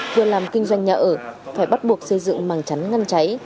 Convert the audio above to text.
vừa làm kinh doanh nhà ở phải bắt buộc xây dựng màng chắn ngăn cháy